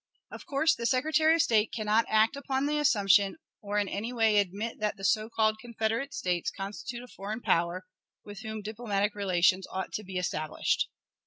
Of course, the Secretary of State can not act upon the assumption, or in any way admit that the so called Confederate States constitute a foreign power, with whom diplomatic relations ought to be established.